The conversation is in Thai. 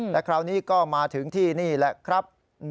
และคราวนี้ก็มาถึงที่นี่แหละครับ